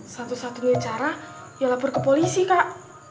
satu satunya cara ya lapor ke polisi kak